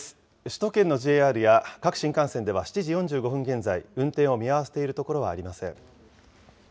首都圏のＪＲや各新幹線では、７時４５分現在、運転を見合わせているところはありません。